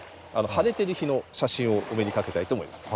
晴れてる日の写真をお目にかけたいと思います。